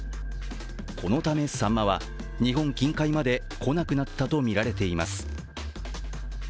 このため、さんまは日本近海まで来なくなったとみられています。